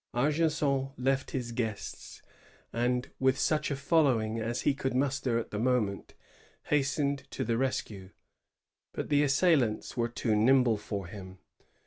Argenson left his guests, and, with such a following as he could muster at the moment, hastened to the rescue; but the assailants were too nimble for him.